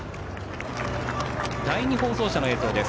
第２放送車の映像です。